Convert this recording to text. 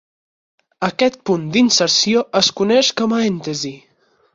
Aquest punt d'inserció es coneix com a èntesi.